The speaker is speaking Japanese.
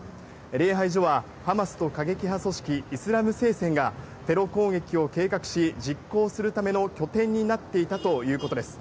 礼拝所は、ハマスと過激派組織イスラム聖戦がテロ攻撃を計画し、実行するための拠点になっていたということです。